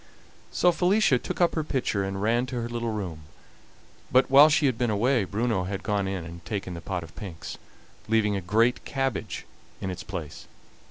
So Felicia took up her pitcher and ran to her little room, but while she had been away Bruno had gone in and taken the pot of pinks, leaving a great cabbage in its place.